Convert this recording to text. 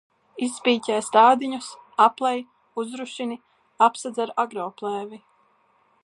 Izpiķē stādiņus, aplej, uzrušini, apsedz ar agroplēvi.